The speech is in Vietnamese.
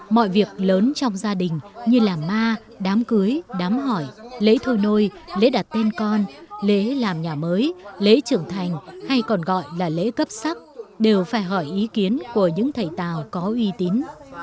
mọi việc lớn trong gia đình như làm ma đám cưới đám hỏi lễ thôi nôi lễ đặt tên con lễ làm nhà mới lễ trưởng thành hay còn gọi là lễ cấp sắc đều phải hỏi ý kiến của những thầy tào có uy tín